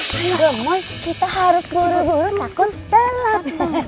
cuma kita harus buru buru takut telat